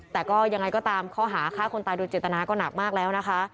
แต่ก็ยังไงก็ตามข้อหาฆ่าคนตายโดยเจตนาก็หนักมากแล้วนะคะ